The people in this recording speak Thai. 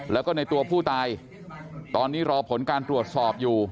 แล้วก็ในตัวผู้ตายตอนนี้รอผลการตรวจสอบอยู่